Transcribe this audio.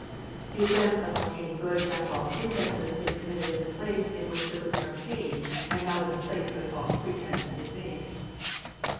The offence of ob taining goods by false pretences is coniniitted in tlie place in wliich the goods are obtained ^ and not in the ])lace where the false pretence is made.